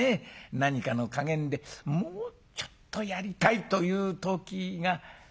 何かの加減でもうちょっとやりたいという時がございましょう。